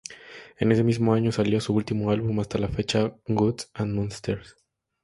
En ese mismo año, salió su último álbum hasta la fecha, "Gods and Monsters".